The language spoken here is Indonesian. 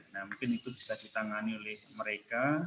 nah mungkin itu bisa ditangani oleh mereka